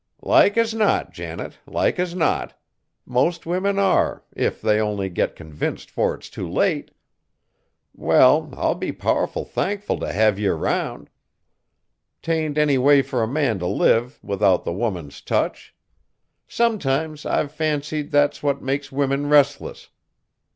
"Like as not, Janet, like as not. Most women are, if they only get convinced 'fore it's too late. Well, I'll be powerful thankful t' have ye around. 'T ain't any way fur a man t' live, without the woman's touch. Sometimes I've fancied that's what makes women restless.